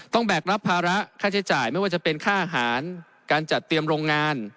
แบกรับภาระค่าใช้จ่ายไม่ว่าจะเป็นค่าอาหารการจัดเตรียมโรงงาน